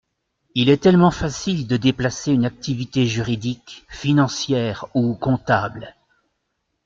Il est tellement facile de déplacer une activité juridique, financière ou comptable.